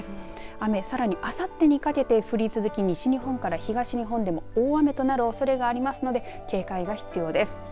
雨、さらにあさってにかけて降り続き、西日本から東日本でも大雨となるおそれがありますので警戒が必要です。